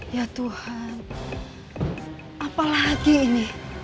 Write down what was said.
ya tuhan apalagi ini